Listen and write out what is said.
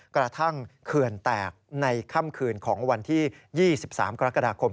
เขื่อนแตกในค่ำคืนของวันที่๒๓กรกฎาคม